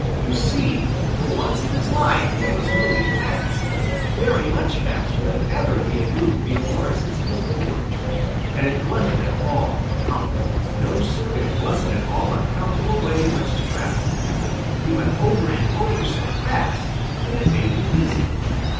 You see, for once in his life he was moving fast, very much faster than ever he had moved before since he was born. And it wasn't at all comfortable. No, Sir, it wasn't at all a comfortable way in which to travel. He went over and over so fast that it made him dizzy.